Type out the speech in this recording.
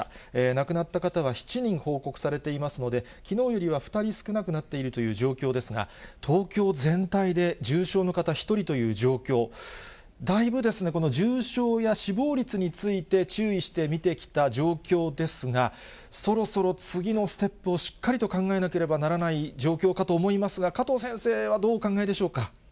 亡くなった方は７人報告されていますので、きのうよりは２人少なくなっているという状況ですが、東京全体で重症の方１人という状況、だいぶ、この重症や死亡率について、注意して見てきた状況ですが、そろそろ次のステップをしっかりと考えなければならない状況かと思いますが、加藤先生はどうお考えでしょうか。